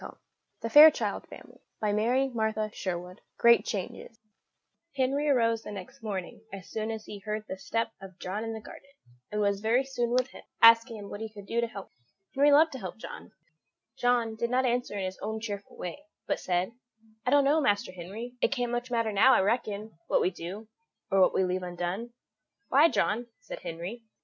Great Changes [Illustration: "Here, ma'am, you can gather any you like"] Henry arose the next morning as soon as he heard the step of John in the garden, and was very soon with him, asking him what he could do to help him. Henry loved to help John. John did not answer in his own cheerful way, but said: "I don't know, Master Henry; it can't much matter now, I reckon, what we do, or what we leave undone." "Why, John?" said Henry.